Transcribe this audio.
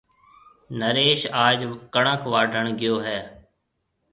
نريش آج ڪڻڪ واڍڻ گيو هيَ۔